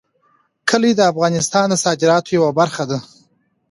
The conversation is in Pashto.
کلي د افغانستان د صادراتو یوه برخه ده.